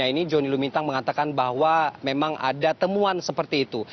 pada saat ini jony lumintang mengatakan bahwa memang ada temuan seperti itu